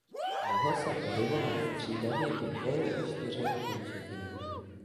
Mohl se pohybovat střídavě po dvou i čtyřech končetinách.